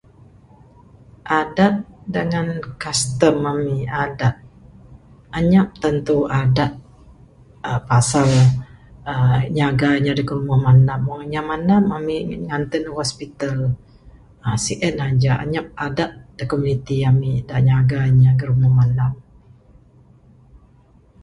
Adat dangan custom ami, adat, anyap tantu adat [uhh],pasal uhh nyaga inya da girumeh mandam, wang inya mandam, ami nganted neg hospital, sien aja, anyap adat da komuniti ami da nyaga inya girumeh mandam.